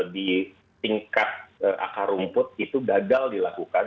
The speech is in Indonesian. di tingkat akar rumput itu gagal dilakukan